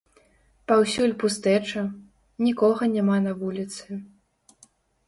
Паўсюль пустэча, нікога няма на вуліцы.